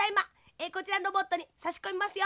えこちらのロボットにさしこみますよ。